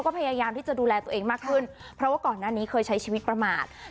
ขอบคุณค่ะ